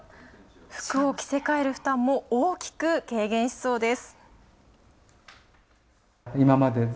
服を着せ替える負担も大きく軽減しそうです。